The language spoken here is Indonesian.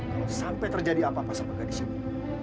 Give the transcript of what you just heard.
kalau sampai terjadi apa apa sama ganesha